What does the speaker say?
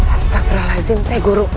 astagfirullahaladzim sayang guru